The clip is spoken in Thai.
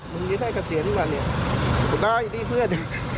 มึงได้เงินกับเสียงก่อนเนี่ยได้ดีเพื่อน